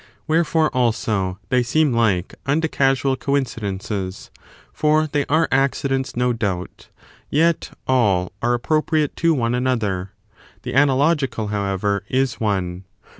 Wherefore, also, they seem like unto casual coinci dences ; for they are accidents, no doubt, yet all are appro priate to one another, the analogical, however, is one.